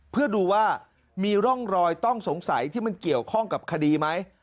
เพื่อดูว่ามีร่องรอยต้องสงสัยที่มันเกี่ยวข้องกับคดีไหม